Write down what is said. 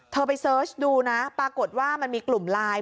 เธอไปเสิร์ชดูนะปรากฏว่ามันมีกลุ่มไลน์